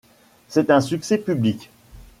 C’est un succès public.